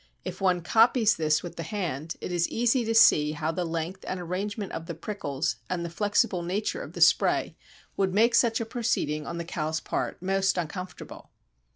If one copies this with the hand it is easy to see how the length and arrangement of the prickles and the flexible nature of the spray would make such a proceeding on the cow's part most uncomfortable.